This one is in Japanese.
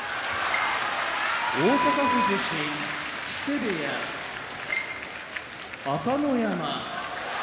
大阪府出身木瀬部屋朝乃山